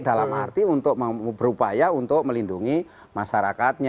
dalam arti untuk berupaya untuk melindungi masyarakatnya